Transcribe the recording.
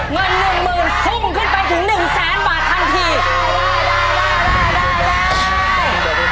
เงิน๑๐๐๐๐บาทคุ้มขึ้นไปถึง๑๐๐๐๐๐บาททันที